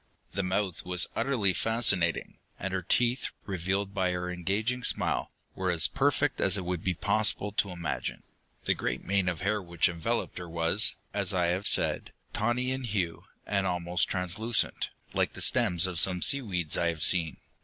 The mouth was utterly fascinating, and her teeth, revealed by her engaging smile, were as perfect as it would be possible to imagine. The great mane of hair which enveloped her was, as I have said, tawny in hue, and almost translucent, like the stems of some seaweeds I have seen.